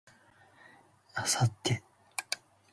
明後日